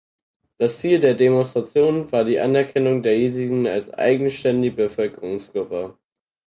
Das Ziel der Demonstration war die Anerkennung der Jesiden als eigenständige Bevölkerungsgruppe.